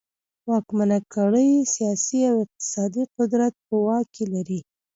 واکمنه کړۍ سیاسي او اقتصادي قدرت په واک کې لري.